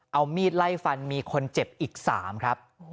เอามีดไล่ฟันมีคนเจ็บอีก๓ครับ